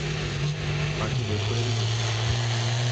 আমাকে বের করে দেবেন?